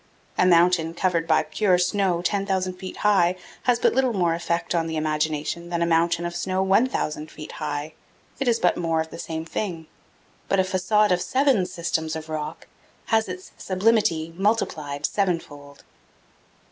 A mountain covered by pure snow 10,000 feet high has but little more effect on the imagination than a mountain of snow 1,000 feet high it is but more of the same thing; but a facade of seven systems of rock has its sublimity multiplied sevenfold.